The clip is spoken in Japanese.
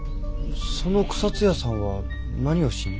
その草津屋さんは何をしに？